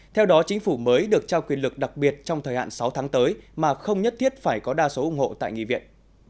theo đó chính phủ mới được trao quyền lực đặc biệt trong thời hạn sáu tháng tới mà không nhất thiết phải có đa số ủng hộ tại nghị viện